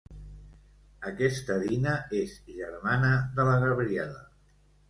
Aquesta Dina és germana de la Gabriela.